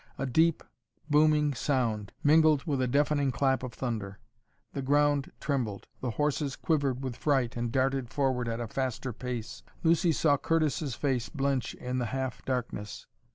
A deep, booming sound mingled with a deafening clap of thunder. The ground trembled. The horses quivered with fright and darted forward at a faster pace. Lucy saw Curtis's face blench in the half darkness.